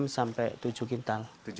enam sampai tujuh kintal